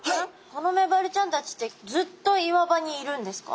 このメバルちゃんたちってずっと岩場にいるんですか？